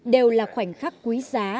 đều là khoảnh khắc quý giá